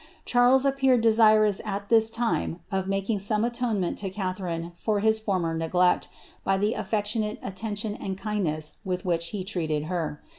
Charles ired desirous at this time of making some atonement to Catharine is former neglect, by the aflfectionate attention and kindness with 1 he treated her.